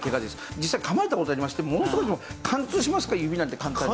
実際噛まれた事ありましてものすごい貫通しますから指なんて簡単に。